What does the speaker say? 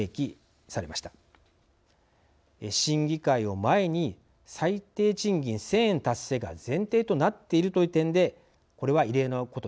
審議会を前に最低賃金１，０００円達成が前提となっているという点でこれは異例のことです。